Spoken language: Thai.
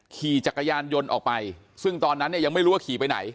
ขี่จักรยานยนต์ออกไปซึ่งตอนนั้นเนี่ยยังไม่รู้ว่าขี่ไปไหน